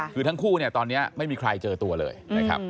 คือทั้งคู่เนี่ยตอนนี้ไม่มีใครเจอตัวเลยนะครับ